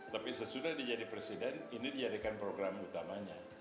tapi sesudah dia jadi presiden ini dijadikan program utamanya